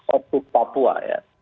otsus papua ya